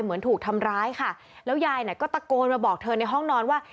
เหมือนถูกทำร้ายค่ะแล้วยายน่ะก็ตะโกนมาบอกเธอในห้องนอนว่า